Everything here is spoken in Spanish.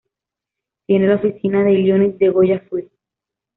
Tiene la oficina de Illinois de Goya Foods.